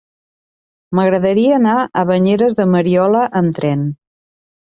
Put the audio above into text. M'agradaria anar a Banyeres de Mariola amb tren.